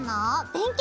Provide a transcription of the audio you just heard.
勉強？